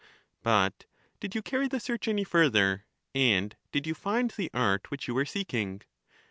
But did you carry the search any further, and did you find the art which you were seeking?